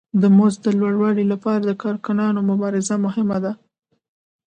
د مزد د لوړوالي لپاره د کارګرانو مبارزه مهمه ده